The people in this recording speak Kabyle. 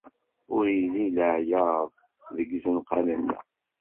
Ur illi leɛyaḍ deg izenqan-nneɣ.